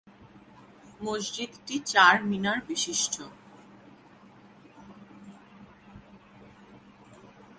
মসজিদটি চার-মিনার বিশিষ্ট।